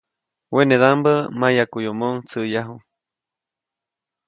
Wenedaʼmbä mayaʼkuyomoʼuŋ tsäʼyaju.